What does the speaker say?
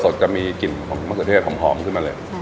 สุดสดจะมีกลิ่นของมะสุดเทศของหอมขึ้นมาเลย